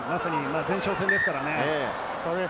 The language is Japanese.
前哨戦ですからね。